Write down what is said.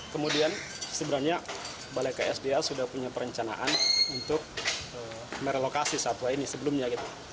kemudian sebenarnya balai ksda sudah punya perencanaan untuk merelokasi satwa ini sebelumnya